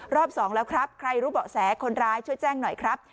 สองแล้วครับใครรู้เบาะแสคนร้ายช่วยแจ้งหน่อยครับ